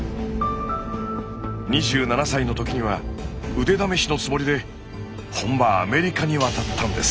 ２７歳の時には腕試しのつもりで本場アメリカに渡ったんです。